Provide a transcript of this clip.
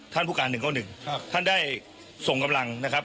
ท่านผู้การหนึ่งเก้าหนึ่งครับท่านได้ส่งกำลังนะครับ